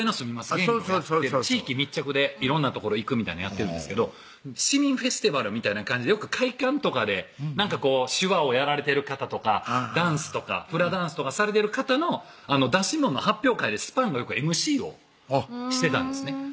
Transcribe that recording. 芸人をやってる地域密着で色んな所行くみたいなんやってるんですけど市民フェスティバルみたいな感じでよく会館とかで手話をやられてる方とかダンスとかフラダンスとかされてる方の出しもんの発表会でｓｐａｎ！がよくＭＣをしてたんですね